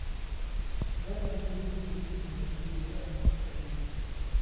• د ملګري رښتینولي ډېر ارزښت لري.